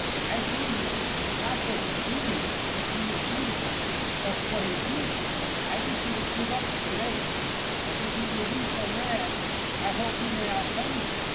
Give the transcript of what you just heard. I pity him, not for his beauty (yet he is beautiful), but for his youth. I wish he would give up the race, or if he will be so mad, I hope he may outrun me."